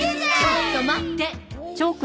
ちょっと待って！